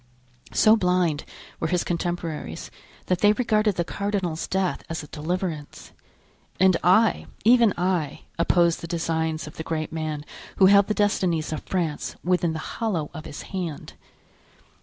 So blind were his contemporaries that they regarded the cardinal's death as a deliverance; and I, even I, opposed the designs of the great man who held the destinies of France within the hollow of his hand.